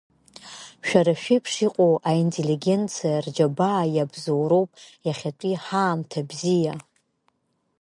Шәара шәеиԥш иҟоу аинтеллигенциа рџьабаа иабзоуроуп иахьатәи ҳаамҭа бзиа.